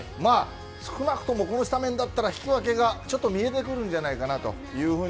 少なくともこのスタメンだったら引き分けが見えてくるんじゃないかと。